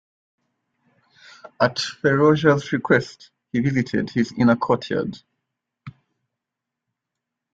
At Ferozshah's request, he visited his inner courtyard.